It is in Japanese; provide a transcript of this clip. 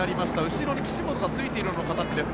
後ろに岸本がついている形です。